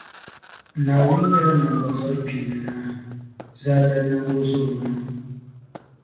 Naawuni nyɛla Nambɔzɔrikpeeni lana, Zaadali Nambɔzobonaa.